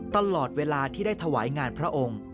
ตลอดเวลาที่ได้ถวายงานพระองค์